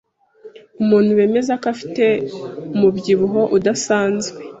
Umuntu bemeza ko afite umubyibuho udasanzwe